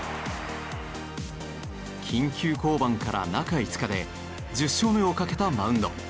緊急降板から中５日で１０勝目をかけたマウンド。